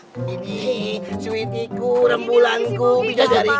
ini sweetiku rembulanku pindah dariku